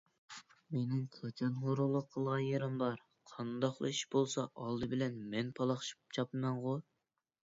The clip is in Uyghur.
مېنىڭ قاچان ھۇرۇنلۇق قىلغان يېرىم بار؟ قانداقلا ئىش بولسا ئالدى بىلەن مەن پالاقشىپ چاپىمەنغۇ!